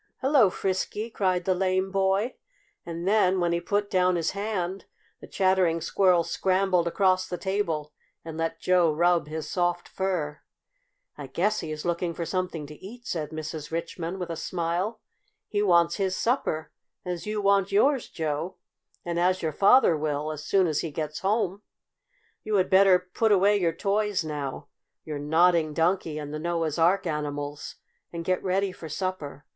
Hello, Frisky!" cried the lame boy, and then when he put down his hand the Chattering Squirrel scrambled across the table and let Joe rub his soft fur. "I guess he is looking for something to eat," said Mrs. Richmond, with a smile. "He wants his supper, as you want yours, Joe, and as your father will, as soon as he gets home. You had better put away your toys now your Nodding Donkey and the Noah's Ark animals and get ready for supper.